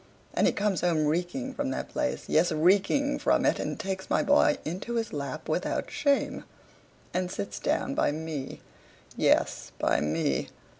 And he comes home reeking from that place yes, reeking from it and takes my boy into his lap without shame, and sits down by me, yes, by ME.